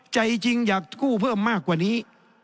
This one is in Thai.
ใจจริงอยากกู้เพิ่มมากกว่านี้